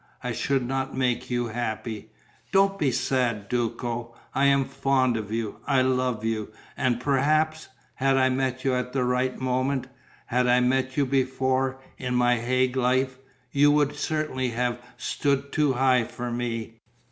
I should not make you happy.... Don't be sad, Duco. I am fond of you, I love you. And perhaps ... had I met you at the right moment. Had I met you before, in my Hague life ... you would certainly have stood too high for me.